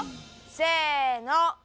せの！